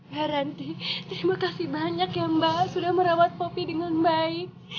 heranti terima kasih banyak ya mbak sudah merawat kopi dengan baik